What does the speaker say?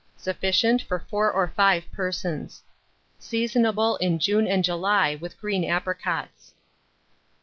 Sufficient for 4 or 5 persons. Seasonable in June and July, with green apricots.